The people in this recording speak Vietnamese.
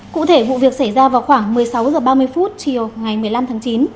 cụ thể vụ việc xảy ra vào khoảng một mươi sáu h ba mươi chiều ngày một mươi năm tháng chín